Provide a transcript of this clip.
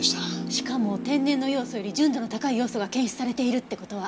しかも天然のヨウ素より純度の高いヨウ素が検出されているって事は。